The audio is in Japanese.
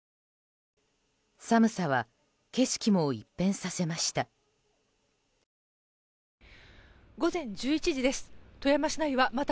寒さは景色も一変させました。